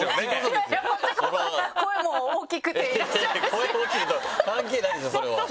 声大きい関係ないでしょそれは。